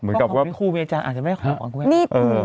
เหมือนกับพวกเขาพี่คู่วิทยาอาจจะไม่คงอยากคุย